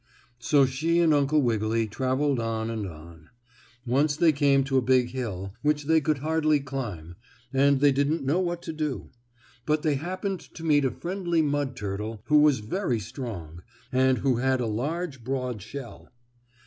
So she and Uncle Wiggily traveled on and on. Once they came to a big hill, which they could hardly climb, and they didn't know what to do. But they happened to meet a friendly mud turtle, who was very strong, and who had a large, broad shell.